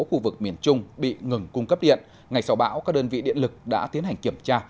khu vực miền trung bị ngừng cung cấp điện ngày sau bão các đơn vị điện lực đã tiến hành kiểm tra